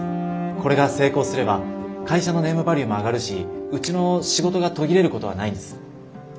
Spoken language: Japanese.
これが成功すれば会社のネームバリューも上がるしうちの仕事が途切れることはないんです。